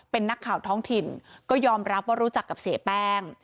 เป็นนักข่าวท้องถิ่นก็ยอมรับว่ารู้จักกับเสียแป้ง